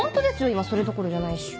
今それどころじゃないし。